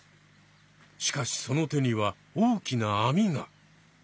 しかしその手には大きなあみが。